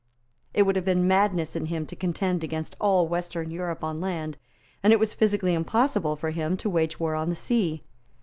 It would have been madness in him to contend against all Western Europe on land; and it was physically impossible for him to wage war on the sea.